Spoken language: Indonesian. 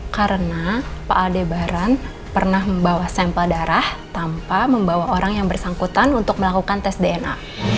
karena pak aldebaran pernah membawa sampel darah tanpa membawa orang yang bersangkutan untuk melakukan tes dna